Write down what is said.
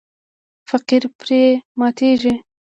فقیر پرې ماتیږي.